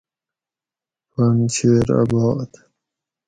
پن شیر آباد